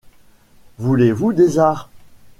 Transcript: Voulez-vous des arrhes?